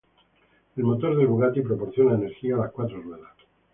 El motor del Bugatti proporciona energía a las cuatro ruedas.